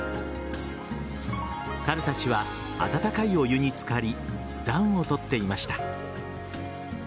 猿たちは、温かいお湯に浸かり暖を取っていました。